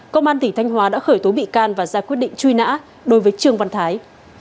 công an tỉnh thanh hóa đã khởi tố bị can và ra quyết định truy nã đối với trương văn thái